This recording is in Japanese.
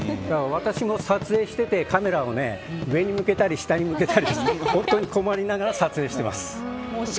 私も撮影しててカメラを上に向けたり下に向けたりして本当に困りながら撮影しています。